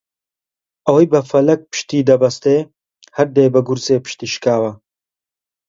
ئەوەی بە فەلەک پشتیدەبەستێ هەر دێ بە گورزێ پشتی شکاوە